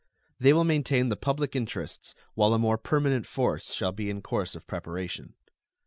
They will maintain the public interests while a more permanent force shall be in course of preparation.